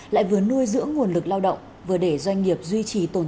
lại vừa nuôi dưỡng nguồn lực lao động vừa để doanh nghiệp duy trì tổn thương